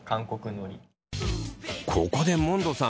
ここでモンドさん